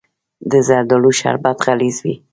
د زردالو شربت غلیظ وي.